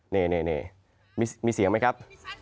นี่มีเสียงไหมครับ